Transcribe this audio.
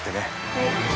はい。